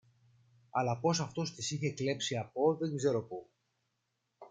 αλλά πως αυτός τις είχε κλέψει από δεν ξέρω που